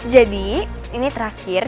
jadi ini terakhir